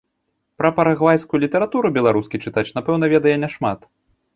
Пра парагвайскую літаратуру беларускі чытач напэўна ведае няшмат.